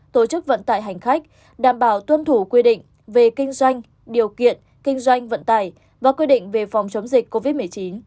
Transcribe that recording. tổ chức vận tải hành khách đảm bảo tuân thủ quy định về kinh doanh điều kiện kinh doanh vận tải và quy định về phòng chống dịch covid một mươi chín